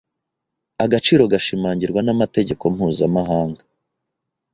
Agaciro gashimangirwa n’amategeko mpuzamahanga